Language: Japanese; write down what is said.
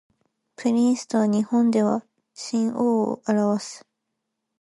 プリンスとは日本では親王を表す